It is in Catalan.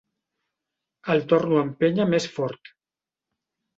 El torno a empènyer més fort.